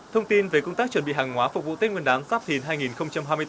thông tin về công tác chuẩn bị hàng hóa phục vụ tết nguyên đáng sắp hình hai nghìn hai mươi bốn